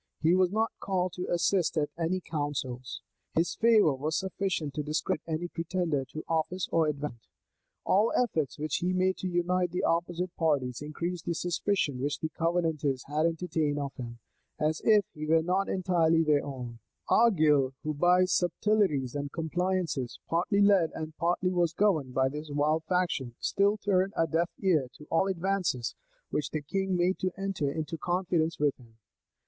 He was not called to assist at any councils. His favor was sufficient to discredit any pretender to office or advancement. All efforts which he made to unite the opposite parties, increased the suspicion which the Covenanters had entertained of him, as if he were not entirely their own, Argyle, who, by subtleties and compliances, partly led and partly was governed by this wild faction, still turned a deaf ear to all advances which the king made to enter into confidence with him.